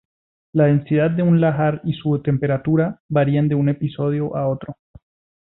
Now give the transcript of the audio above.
La densidad de un lahar y su temperatura, varían de un episodio a otro.